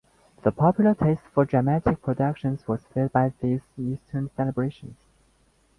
The popular taste for dramatic productions was fed by these Easter celebrations.